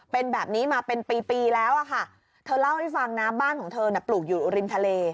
เป็นแบบนี้มาเป็นปีปีแล้วอะค่ะเธอเล่าให้ฟังนะบ้านของเธอน่ะปลูกอยู่ริมทะเล